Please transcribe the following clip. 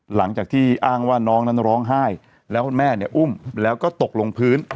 หลังจากที่อ้างว่าน้องนั้นร้องไห้แล้วคุณแม่เนี่ยอุ้มแล้วก็ตกลงพื้น